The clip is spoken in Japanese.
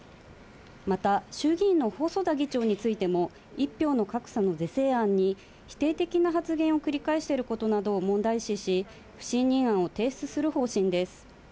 また、衆議院の細田議長についても、１票の格差の是正案に否定的な発言を繰り返していることなどを問題視し、不信任案を提出する方針です。